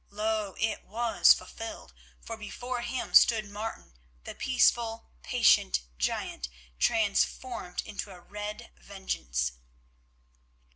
Lo! it was fulfilled, for before him stood Martin, the peaceful, patient giant, transformed into a Red Vengeance.